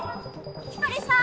光莉さん！